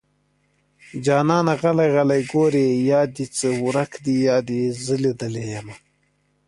جانانه غلی غلی ګورې يا دې څه ورک دي يا دې زه ليدلې يمه